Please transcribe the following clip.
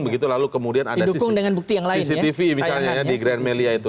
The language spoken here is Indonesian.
begitu lalu kemudian ada cctv misalnya di grand melia itu